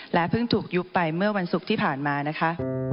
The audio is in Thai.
เพิ่งถูกยุบไปเมื่อวันศุกร์ที่ผ่านมานะคะ